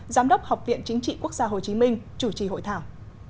giám đốc học viện chính trị quốc gia hồ chí minh chủ trì hội thảo